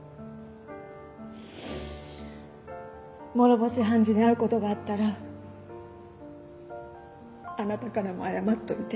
諸星判事に会う事があったらあなたからも謝っておいて。